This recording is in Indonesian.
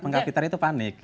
pengkapiternya itu panik